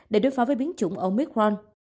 để đối phó với biến chủng omicron